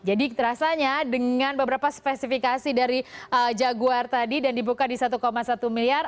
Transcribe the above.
jadi rasanya dengan beberapa spesifikasi dari jaguar tadi dan dibuka di satu satu miliar